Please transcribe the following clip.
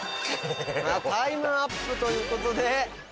タイムアップということで。